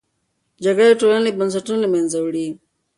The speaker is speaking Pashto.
جګړه د ټولنې بنسټونه له منځه وړي.